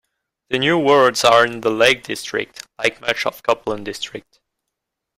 The new wards are in the Lake District, like much of Copeland district.